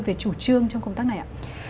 về chủ trương trong công tác này ạ